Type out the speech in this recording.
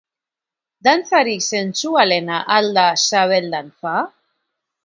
Dantzarik sentsualena al da sabel dantza?